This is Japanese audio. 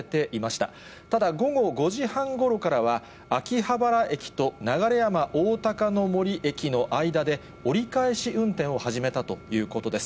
ただ、午後５時半ごろからは、秋葉原駅と流山おおたかの森駅の間で、折り返し運転を始めたということです。